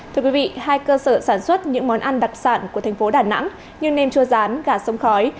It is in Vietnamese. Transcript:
thưa quý vị hai cơ sở sản xuất những món ăn đặc sản của thành phố đà nẵng như nem chua rán gà sông khói